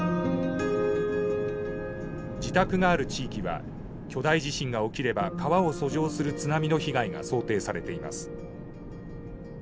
自宅がある地域は巨大地震が起きれば川を遡上する津波の被害が想定されています。